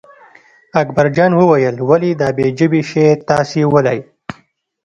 اکبرجان وویل ولې دا بې ژبې شی تاسې ولئ.